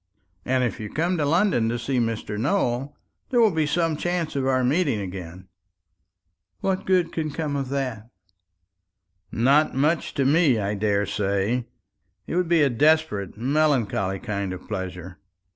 "And if you come to London to see Mr. Nowell, there will be some chance of our meeting again." "What good can come of that?" "Not much to me, I daresay. It would be a desperate, melancholy kind of pleasure.